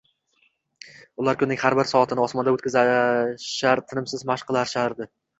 Ular kunning har bir soatini osmonda o‘tkazishar, tinimsiz mashq qilishardi.